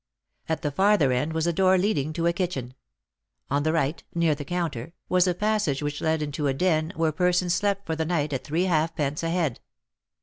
At the farther end was a door leading to a kitchen; on the right, near the counter, was a passage which led into a den where persons slept for the night at three halfpence a head.